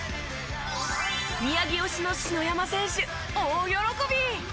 宮城推しの篠山選手大喜び！